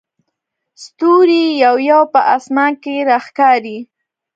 ستوري یو یو په اسمان کې راښکاري.